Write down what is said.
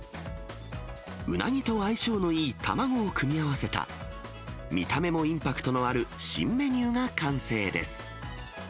うなぎと相性のいい卵を組み合わせた、見た目もインパクトのある新メニューが完成です。